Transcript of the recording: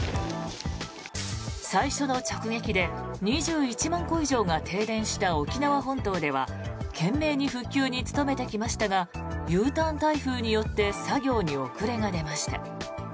最初の直撃で２１万戸以上が停電した沖縄本島では懸命に復旧に努めてきましたがＵターン台風によって作業に遅れが出ました。